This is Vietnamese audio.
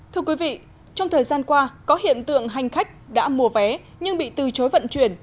thưa quý vị trong thời gian qua có hiện tượng hành khách đã mua vé nhưng bị từ chối vận chuyển